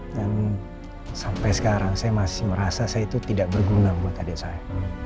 dan sampai sekarang saya masih merasa saya itu tidak berguna buat adik saya